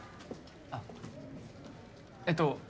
あっえっと